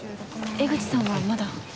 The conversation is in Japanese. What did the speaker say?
江口さんはまだ。